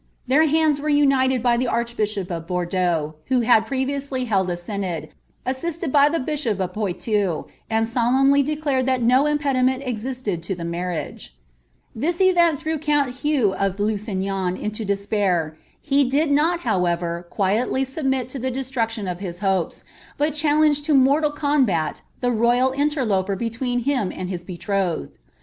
Their hands were united by the archbishop of Bordeaux, who had previously held a synod, assisted by the bishop of Poitoo, and solemnly declared that no impediment existed to the This event threw connt Hugh of Lusignan into despair ; he did not, however, quietly submit to the destruction of his hopes, but challenged to BK)rtal combat the royal interloper between him and his betrothed.'